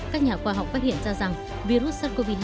các nhà khoa học phát hiện ra rằng virus sars cov hai